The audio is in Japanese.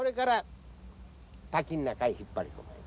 滝の中へ引っ張り込まれた。